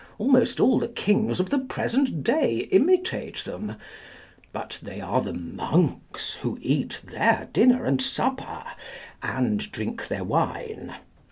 Almost all the kings of the present day imitate them; but they are the monks who eat their dinner and supper, and drink their wine.